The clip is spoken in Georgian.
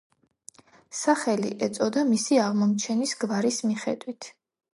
სახელი ეწოდა მისი აღმომჩენის გვარის მიხედვით.